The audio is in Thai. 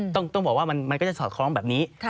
ต้องบอกว่ามันก็จะสอดคล้องแบบนี้